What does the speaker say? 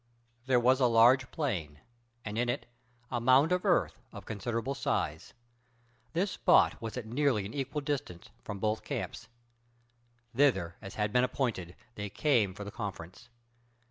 There was a large plain, and in it a mound of earth of considerable size. This spot was at nearly an equal distance from both camps. Thither, as had been appointed, they came for the conference.